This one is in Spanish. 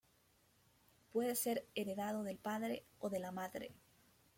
Puede ser heredado del padre o de la madre.